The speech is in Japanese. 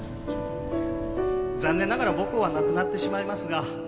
「残念ながら母校はなくなってしまいますが」